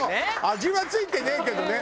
味は付いてねえけどね